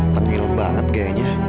penil banget kayaknya